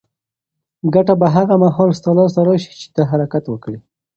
ګټه به هغه مهال ستا لاس ته راشي چې ته حرکت وکړې.